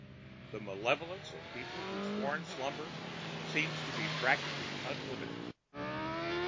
The malevolence of people who scorn slumber seems to be practically unlimited.